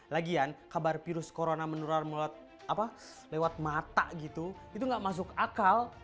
lagian kabar virus corona menular lewat mata gitu itu gak masuk akal